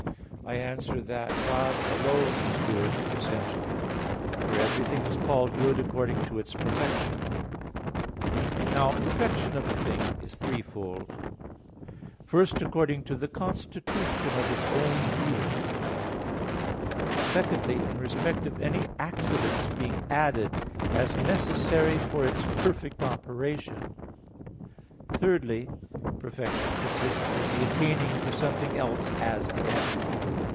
I answer that, God alone is good essentially. For everything is called good according to its perfection. Now perfection of a thing is threefold: first, according to the constitution of its own being; secondly, in respect of any accidents being added as necessary for its perfect operation; thirdly, perfection consists in the attaining to something else as the end.